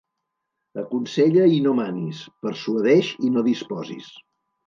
Aconsella i no manis, persuadeix i no disposis.